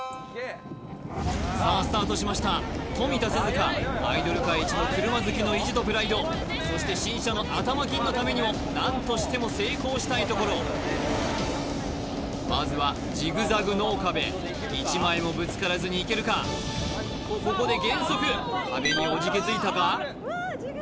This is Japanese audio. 花アイドル界いちの車好きの意地とプライドそして新車の頭金のためにも何としても成功したいところまずはジグザグ脳かべ１枚もぶつからずにいけるか？とここで減速壁におじけづいたか？